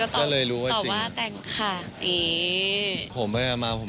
ตั้งได้ค่ะก็ตอบว่าแต่งขาดนี่อ๋อจริง